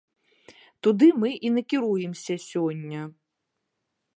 Туды мы і накіруемся сёння.